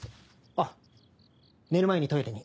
あっ寝る前にトイレに。